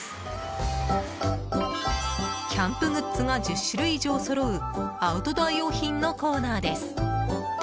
キャンプグッズが１０種類以上そろうアウトドア用品のコーナーです。